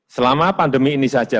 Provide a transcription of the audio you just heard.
selama pandemi ini saja